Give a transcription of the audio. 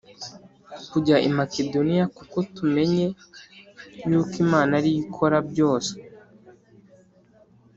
kujya i Makedoniya kuko tumenye yuko Imana ariyo ikora byose